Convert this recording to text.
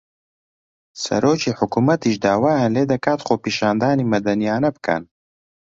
سەرۆکی حکوومەتیش داوایان لێ دەکات خۆپیشاندانی مەدەنییانە بکەن